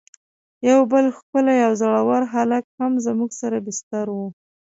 یو بل ښکلی او زړه ور هلک هم زموږ سره بستر و.